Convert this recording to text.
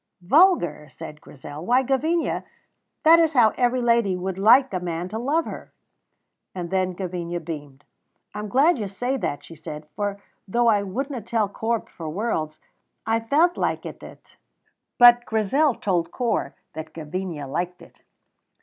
"Vulgar!" said Grizel. "Why, Gavinia, that is how every lady would like a man to love her." And then Gavinia beamed. "I'm glad you say that," she said; "for, though I wouldna tell Corp for worlds, I fell likit it." But Grizel told Corp that Gavinia liked it.